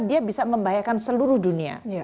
dia bisa membahayakan seluruh dunia